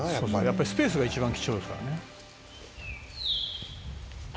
「やっぱりスペースが一番貴重ですからね」